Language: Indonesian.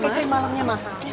oke krim malemnya mahal